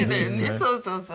そうそうそうそう。